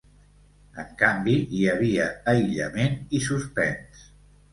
En canvi, hi havia aïllament i suspens.